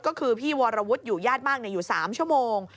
ก็คือพี่วรวุฒิอยู่ญาติมากอยู่๓ชั่วโมง